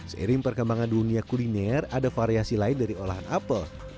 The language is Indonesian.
seiring perkembangan dunia kuliner ada variasi lain dari olahan apel